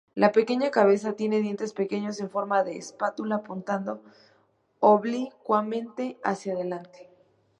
La pequeña cabeza tiene dientes pequeños, en forma de espátula apuntando oblicuamente hacia delante.